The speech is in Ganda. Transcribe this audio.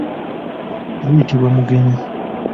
Guyitibwa mugenyi.